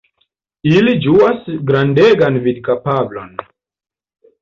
Ili ĝuas grandegan vidkapablon.